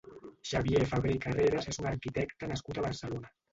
Xavier Fabré i Carreras és un arquitecte nascut a Barcelona.